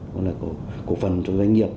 có thể là cổ phần cho doanh nghiệp